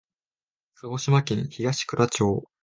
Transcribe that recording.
鹿児島県東串良町